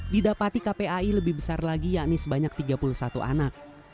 didapati kpai lebih besar lagi yakni sebanyak tiga puluh satu anak